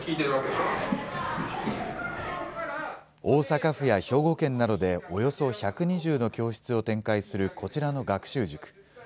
大阪府や兵庫県などで、およそ１２０の教室を展開するこちらの学習塾。